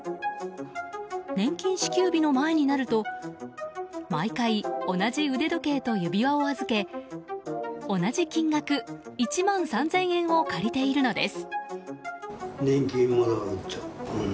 年金支給日の前になると毎回、同じ腕時計と指輪を預け同じ金額１万３０００円を借りているのです。